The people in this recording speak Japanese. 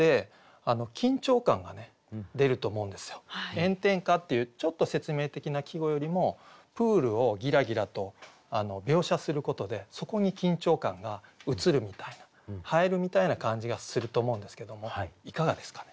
「炎天下」っていうちょっと説明的な季語よりもプールを「ぎらぎら」と描写することでそこに緊張感が映るみたいな映えるみたいな感じがすると思うんですけどもいかがですかね？